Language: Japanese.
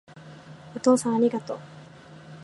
お父さんありがとう